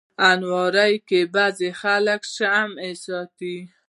الماري کې بعضي خلک شمعې ساتي